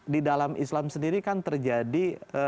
di dalam islam sendiri kan terjadi